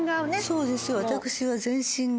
そうです。